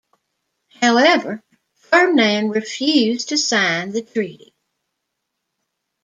However, Ferdinand refused to sign the treaty.